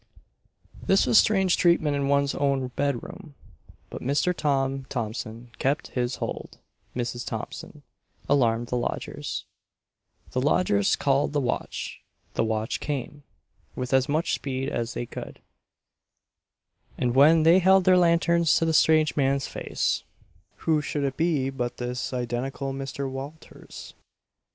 This was strange treatment in one's own bed room! But Mr. Tom Thompson kept his hold, Mrs. Thompson alarmed the lodgers, the lodgers called the watch, the watch came (with as much speed as they could,) and when they held their lanterns to the strange man's face who should it be but this identical Mr. Walters!